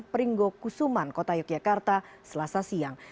pringgo kusuman kota yogyakarta selasa siang